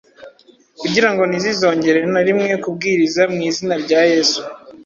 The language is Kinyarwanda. kugira ngo ntizizongere na rimwe kubwiriza mu izina rya Yesu,